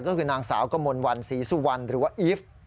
ก็คือนางสาวกมลวันศรีสุวรรณหรือว่าอีฟ